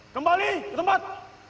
kembali ke tempat